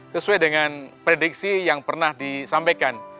sesuai dengan prediksi yang pernah disampaikan